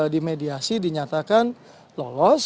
di mediasi dinyatakan lolos